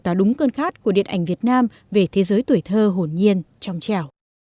tỏa đúng cơn khát của điện ảnh việt nam về thế giới tuổi thơ hồn nhiên trong trẻo